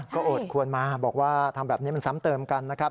ก็โอดควรมาบอกว่าทำแบบนี้มันซ้ำเติมกันนะครับ